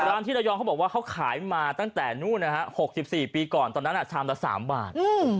ร้านที่ระยองเขาบอกว่าเขาขายมาตั้งแต่นู่นนะฮะ๖๔ปีก่อนตอนนั้นชามละ๓บาท